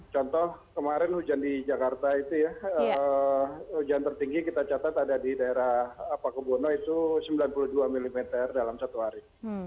contoh kemarin hujan di jakarta itu ya hujan tertinggi kita catat ada di daerah pakubono itu sembilan puluh dua mm dalam satu hari